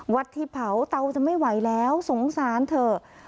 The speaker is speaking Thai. วัดที่เผาเตาจะไม่ไหวแล้วสงสารเถอะ